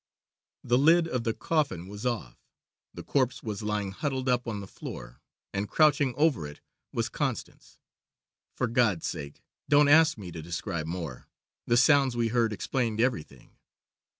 "The lid of the coffin was off, the corpse was lying huddled up on the floor, and crouching over it was Constance. For God's sake don't ask me to describe more the sounds we heard explained everything.